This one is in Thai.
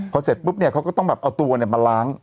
พอเสร็จปุ๊บเนี่ยเขาก็ต้องแบบเอาตัวมาล้าง